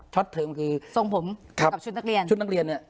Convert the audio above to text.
ช็อตเทอมคือส่งผงกับชุดนักเรียนน่ะ